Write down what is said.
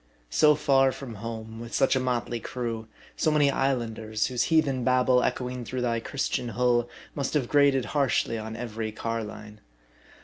So far from home, with such a motley crew, so many islanders, whose heathen babhle echoing through thy .Christian hull, must have grated harshly on every carline.